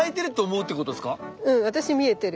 うん私見えてる。